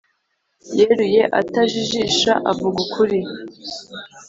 yeruye atajijisha avuga ukuri